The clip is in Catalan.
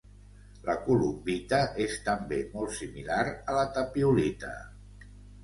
La columbita és també molt similar a la tapiolita.